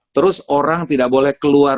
terus orang tidak boleh keluar